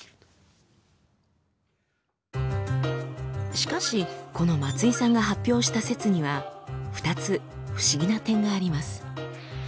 しかしこの松井さんが発表した説には２つ不思議な点があります。